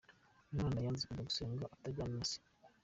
Umwana yanze kujya gusenga atajyanye na se.